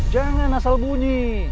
jangan asal bunyi